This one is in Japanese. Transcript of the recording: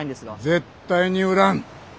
絶対に売らん。